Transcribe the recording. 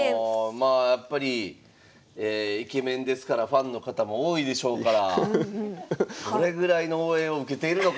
まあやっぱりイケメンですからファンの方も多いでしょうからどれぐらいの応援を受けているのか。